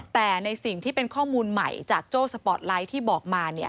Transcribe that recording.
แต่ในสิ่งที่เป็นข้อมูลใหม่จากโจ้สปอร์ตไลท์ที่บอกมา